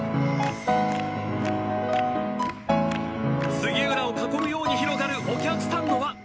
杉浦を囲むように広がるお客さんの輪。